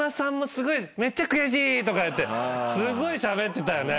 「めっちゃ悔しい」とか言ってすごいしゃべってたよね。